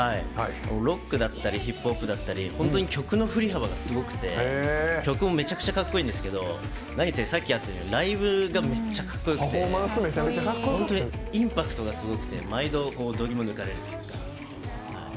ロックだったりヒップホップだったり本当に曲のふり幅がすごくて曲もめちゃくちゃかっこいいんですけど何せ、ライブがめっちゃかっこよくて本当にインパクトがすごくて毎度、どぎもを抜かれるというか。